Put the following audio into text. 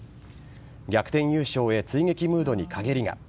逆転優勝へ追撃ムードに陰りが。